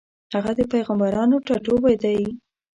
هغه د پېغمبرانو ټاټوبی دی.